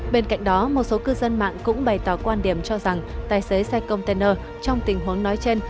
bên cạnh đó một số cư dân mạng cũng bày tỏ quan điểm cho rằng tài xế xe container trong tình huống nói trên